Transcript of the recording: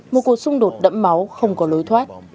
một cuộc xung đột đẫm máu không có lối thoát